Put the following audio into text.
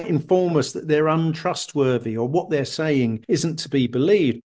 anda mungkin memberitahukan kami bahwa mereka tidak berpercaya atau apa yang mereka katakan tidak harus dipercayai